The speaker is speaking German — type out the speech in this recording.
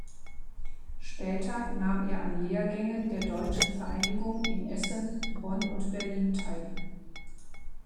Später nahm er an Lehrgängen der Deutschen Vereinigung in Essen, Bonn und Berlin teil.